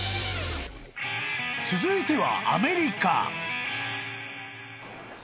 ［続いては］